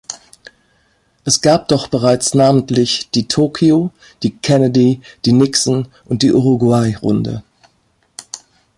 Es gab doch bereits namentlich die Tokio-, die Kennedy-, die Nixon- und die Uruguay-Runde!